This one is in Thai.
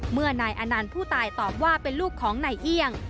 นายอนันต์ผู้ตายตอบว่าเป็นลูกของนายเอี่ยง